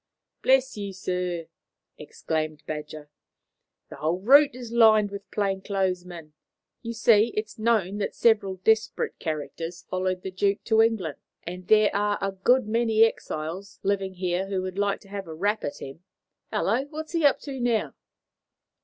"Bless you, sir," exclaimed Badger, "the whole route is lined with plain clothes men. You see, it is known that several desperate characters followed the Duke to England, and there are a good many exiles living here who would like to have a rap at him. Hallo! What's he up to now?"